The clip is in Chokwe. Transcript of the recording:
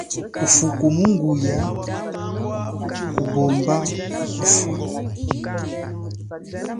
Ufuku munguya kupomba kukufa.